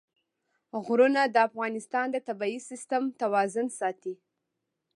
غرونه د افغانستان د طبعي سیسټم توازن ساتي.